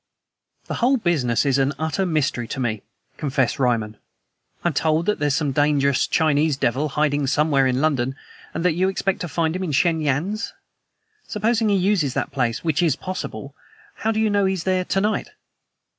"The whole business is an utter mystery to me," confessed Ryman. "I'm told that there's some dangerous Chinese devil hiding somewhere in London, and that you expect to find him at Shen Yan's. Supposing he uses that place, which is possible, how do you know he's there to night?"